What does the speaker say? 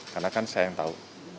karena kan saya yang tahu